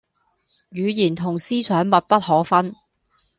語言同思想密不可分